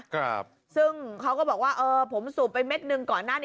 ครับซึ่งเขาก็บอกว่าเออผมสูบไปเม็ดหนึ่งก่อนหน้านี้